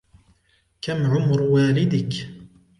كم عمر والدك ؟